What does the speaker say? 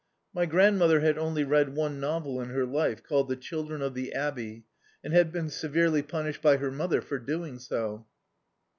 My grandmother had only read one novel in her life, called "The Children of the Abbey," and had been severely punished by her mother for doing so.